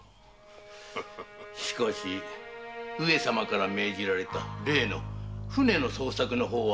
しかし上様から命じられた船の捜索の方は？